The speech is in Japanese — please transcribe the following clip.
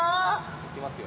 いきますよ。